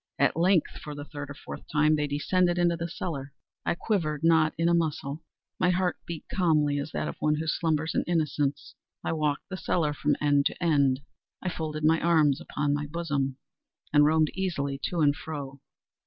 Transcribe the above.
At length, for the third or fourth time, they descended into the cellar. I quivered not in a muscle. My heart beat calmly as that of one who slumbers in innocence. I walked the cellar from end to end. I folded my arms upon my bosom, and roamed easily to and fro.